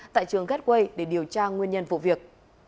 tại trường gateway để điều tra nguyên nhân vụ việc